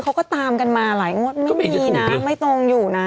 เขาก็ตามกันมาหลายงวดไม่มีนะไม่ตรงอยู่นะ